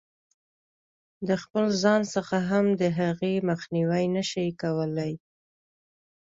د خپل ځان څخه هم د هغې مخنیوی نه شي کولای.